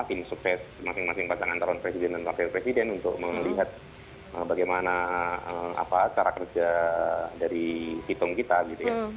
tim sukses masing masing pasangan calon presiden dan wakil presiden untuk melihat bagaimana cara kerja dari hitung kita gitu ya